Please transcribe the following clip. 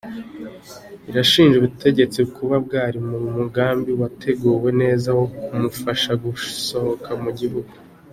Rirashinja ubutegetsi kuba bwari mu mugambi wateguwe neza wo kumufasha gusohoka mu gihugu.